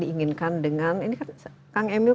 diinginkan dengan ini kan kang emil